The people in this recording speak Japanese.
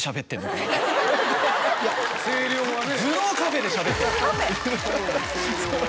声量がね。